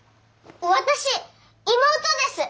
私妹です！